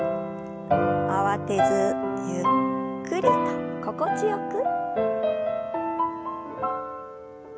慌てずゆっくりと心地よく。